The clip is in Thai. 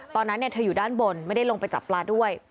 ตอนนั้นเธออยู่ด้านบนไม่ได้ลงไปจับปลาด้วย